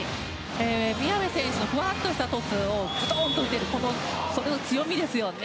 宮部選手のふわっとしたトスをズドンと打てるその強みですよね。